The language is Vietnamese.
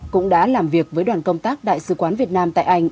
cũng đã làm việc với đoàn công tác đại sứ quán việt nam tại anh